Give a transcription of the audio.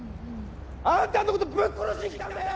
あんたのことぶっ殺しに来たんだよ！